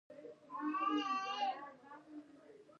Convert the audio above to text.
انار د بدن رګونه صفا کوي.